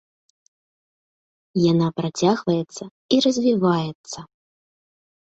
Яна працягваецца і развіваецца.